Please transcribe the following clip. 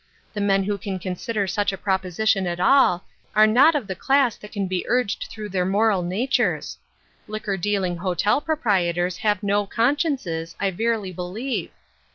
The men who can consider such a propo sition at all, are not of the class that can be urged through their moral natures. Liquor dealing hotel proprietors have no consciences, I verily believe.